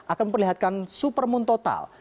akan memperlihatkan supermoon total